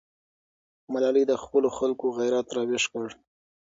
ملالۍ د خپلو خلکو غیرت راویښ کړ.